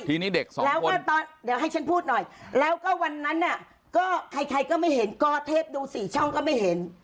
เดี๋ยวให้ฉันพูดหน่อยแล้วก็วันนั้นก็ใครก็ไม่เห็นกอเทปดูสี่ช่องก็ไม่เห็น